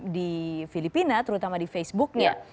di filipina terutama di facebooknya